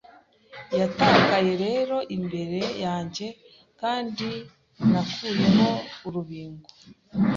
Yatakaye rero imbere yanjyeKandi nakuyeho urubingo